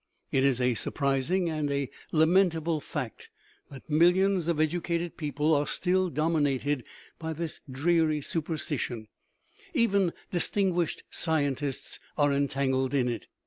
It is a surprising and a lamentable fact 34 KNOWLEDGE AND BELIEF that millions of educated people are still dominated by this dreary superstition ; even distinguished scientists are entangled in it.